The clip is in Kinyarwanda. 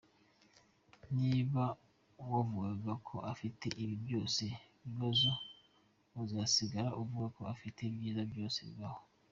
Niba wavugaga ko afite ibibi byose bibaho, uzasigara uvuga ko afite ibyiza byose bibaho.